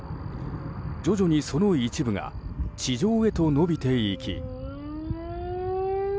徐々に、その一部が地上へと延びていき。